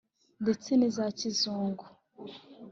ndetse ni za kizungu